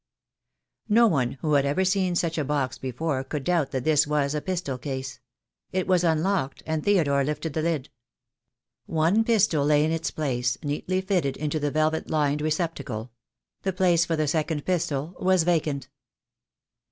No one who had ever seen such a box before could doubt that this was a pistol case. It was unlocked, and Theodore lifted the lid. One pistol lay in its place, neatly fitted into the velvet lined receptacle. The place for the second pistol was vacant.